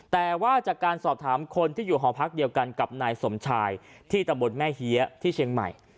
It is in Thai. แต่ว่าจากการสอบถามคนที่อยู่หอพักเดียวกันกับนายสมชายที่ตำบลแม่เฮียที่เชียงใหม่